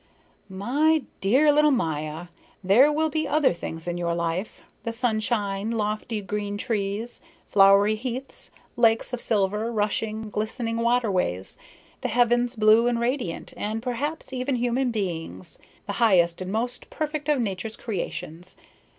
"My dear little Maya, there will be other things in your life the sunshine, lofty green trees, flowery heaths, lakes of silver, rushing, glistening waterways, the heavens blue and radiant, and perhaps even human beings, the highest and most perfect of Nature's creations.